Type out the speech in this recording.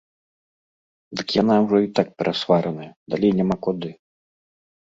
Дык яна ўжо і так перасвараная, далей няма куды.